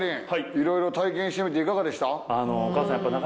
いろいろ体験してみていかがでした？